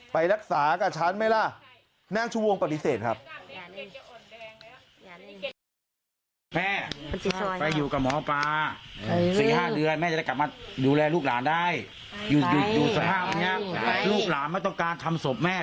ไปรักษากับฉันไหมล่ะนางชูวงปฏิเสธครับ